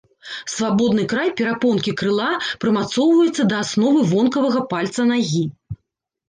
Свабодны край перапонкі крыла прымацоўваецца да асновы вонкавага пальца нагі.